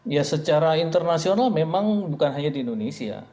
ya secara internasional memang bukan hanya di indonesia